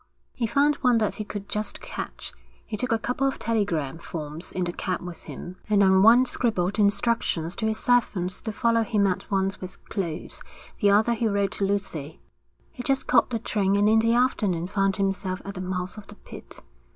He found one that he could just catch. He took a couple of telegram forms in the cab with him, and on one scribbled instructions to his servant to follow him at once with clothes; the other he wrote to Lucy. He just caught the train and in the afternoon found himself at the mouth of the pit.